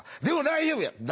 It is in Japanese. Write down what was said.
でも大丈夫や！